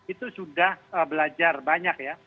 itu sudah belajar banyak ya